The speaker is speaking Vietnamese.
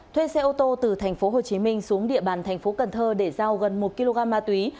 thuê xe ô tô từ tp hcm xuống địa bàn tp cnh để giao gần một kg ma túy